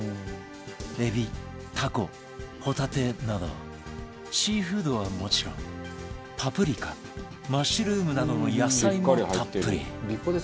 エビタコホタテなどシーフードはもちろんパプリカマッシュルームなどの野菜もたっぷり